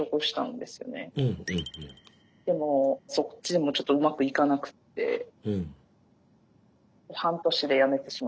でもそっちでもちょっとうまくいかなくって半年で辞めてしまって。